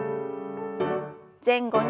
前後に。